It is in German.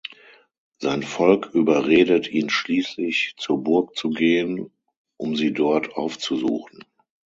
Sein Volk überredet ihn schließlich, zur Burg zu gehen, um sie dort aufzusuchen.